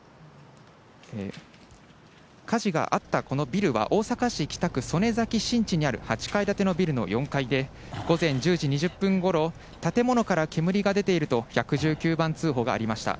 火事があったこのビルは、大阪市北区曽根崎新地にある８階建てのビルの４階で、午前１０時２０分ごろ、建物から煙が出ていると１１９番通報がありました。